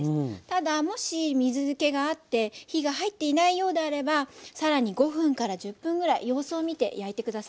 ただもし水けがあって火が入っていないようであれば更に５分から１０分ぐらい様子を見て焼いて下さい。